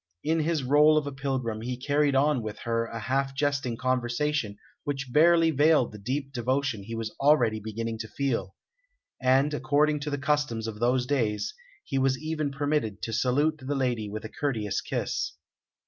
In his rôle of a pilgrim he carried on with her a half jesting conversation which barely veiled the deep devotion he was already beginning to feel; and, according to the customs of those days, he was even permitted to salute the lady with a courteous kiss.